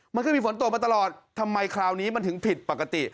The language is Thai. มันก็มีฝนตกมาตลอดทำไมคราวนี้มันถึงผิดปกติ